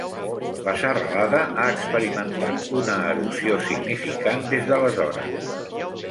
La serralada ha experimentat una erosió significant des d'aleshores.